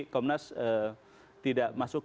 komnas tidak masuk